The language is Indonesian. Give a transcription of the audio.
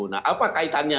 nah apa kaitannya